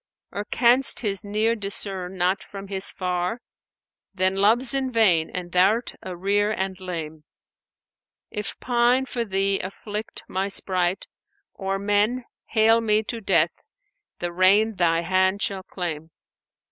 Or canst His near discern not from His far? * Then Love's in vain and thou'rt a rear and lame. If pine for Thee afflict my sprite, or men * Hale me to death, the rein Thy hand shall claim!